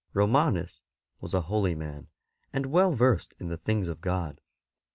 Romanus was a holy man and well versed in the things of God.